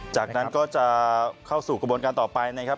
จากนั้นก็จะเข้าสู่กระบวนการต่อไปนะครับ